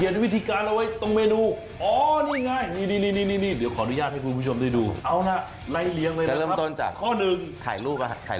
ร้านด้านจิ้มซี่ฟู้ดครับผม